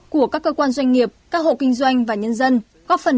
của các cơ quan doanh nghiệp các hộ kinh doanh và nhân dân